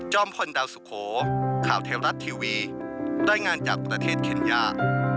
พลดาวสุโขข่าวเทวรัฐทีวีรายงานจากประเทศเคนยา